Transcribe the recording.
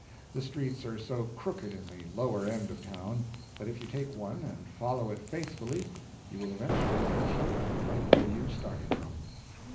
The streets are so crooked in the lower end of town that if you take one and follow it faithfully you will eventually fetch up right where you started from.